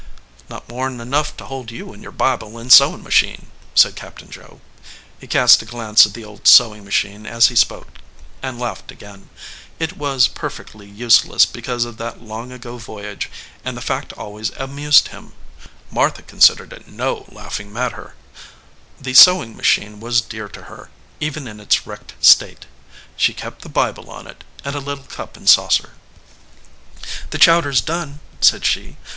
"Not more n enough to hold you and your Bible and sewin machine," said Captain Joe. He cast a glance at the old sewing machine as he spoke, and laughed again. It was perfectly useless because of 10 37 EDGEWATER PEOPLE that long ago voyage, and the fact always amused him. Martha considered it no laughing matter. The sewing machine was dear to her, even in its wrecked state. She kept the Bible on it, and a little cup and saucer. "The chowder s done," said she.